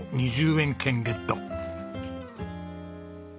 ２０円券ゲット。